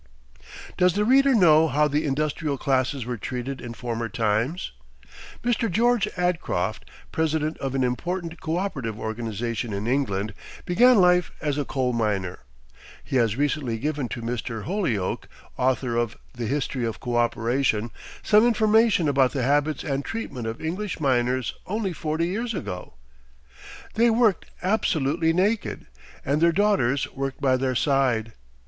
Does the reader know how the industrial classes were treated in former times? Mr. George Adcroft, president of an important coöperative organization in England, began life as a coal miner. He has recently given to Mr. Holyoake, author of the "History of Coöperation," some information about the habits and treatment of English miners only forty years ago: "They worked absolutely naked, and their daughters worked by their side.